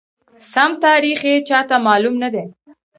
سم تاریخ یې چاته معلوم ندی،